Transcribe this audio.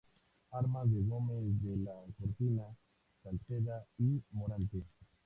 Armas de Gómez de la Cortina, Salceda y Morante.